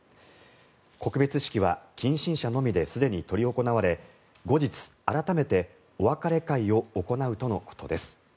告別式は近親者のみですでに執り行われ後日、改めてお別れ会を行うとのことです。